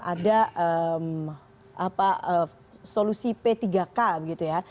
ada solusi p tiga k gitu ya